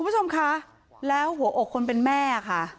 คุณผู้ชมคะแล้วหัวอกคนเป็นแม่ค่ะ